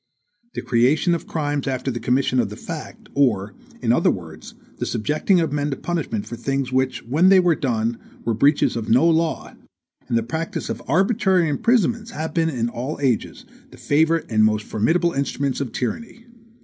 The creation of crimes after the commission of the fact, or, in other words, the subjecting of men to punishment for things which, when they were done, were breaches of no law, and the practice of arbitrary imprisonments, have been, in all ages, the favorite and most formidable instruments of tyranny.